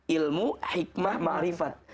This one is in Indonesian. ilmu hikmah ma'rifat